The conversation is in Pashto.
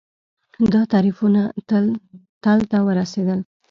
دا تعریفونه تل ته ورورسېدل